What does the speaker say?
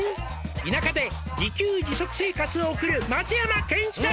「田舎で自給自足生活を送る松山ケンイチさん」